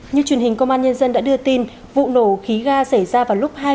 như truyền hình công an nhân dân đã đưa tin vụ nổ khí ga xảy ra vào lúc hai mươi h